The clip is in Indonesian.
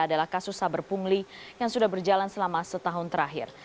adalah kasus saber pungli yang sudah berjalan selama setahun terakhir